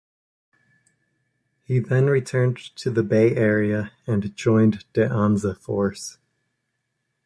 He then returned to the Bay Area and joined De Anza Force.